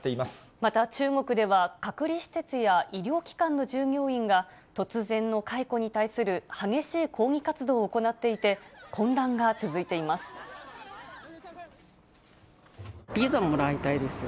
また、中国では隔離施設や医療機関の従業員が、突然の解雇に対する激しい抗議活動を行っていて、混乱が続いていビザもらいたいですよ。